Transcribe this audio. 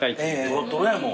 トロトロやもん。